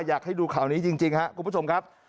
อยากให้ดูข่าวนี้จริงครับคุณผู้ชมครับ